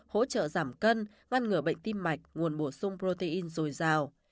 hỗ trợ giảm cân ngăn ngừa bệnh tim mạch nguồn bổ sung protein dồi dào